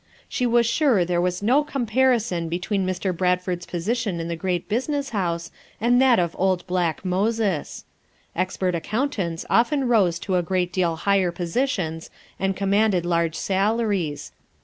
She was sure there was no comparison between Mr. Bradford's position in the great business house and that of old black Moses. Expert accountants often rose to a great deal higher positions and commanded large salaries.